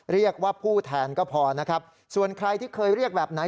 เรียกว่าผู้แทนก็พอนะครับส่วนใครที่เคยเรียกแบบไหน